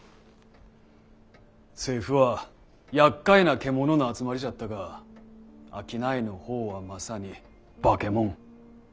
政府は厄介な獣の集まりじゃったが商いの方はまさに化け物。